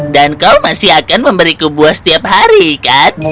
dan kau masih akan memberiku buah setiap hari kan